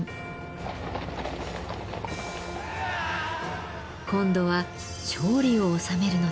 今度は勝利を収めるのです。